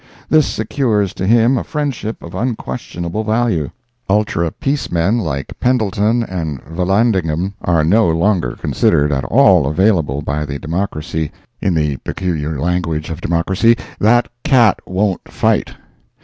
This secures to him a friendship of unquestionable value. Ultra peace men like Pendleton and Vallandigham are no longer considered at all available by the Democracy—in the peculiar language of Democracy, "that cat won't fight."